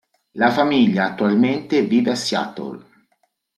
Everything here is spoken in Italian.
La famiglia attualmente vive a Seattle.